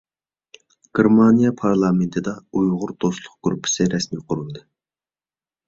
گېرمانىيە پارلامېنتىدا «ئۇيغۇر دوستلۇق گۇرۇپپىسى» رەسمىي قۇرۇلدى.